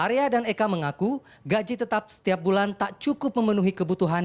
arya dan eka mengaku gaji tetap setiap bulan tak cukup memenuhi kebutuhan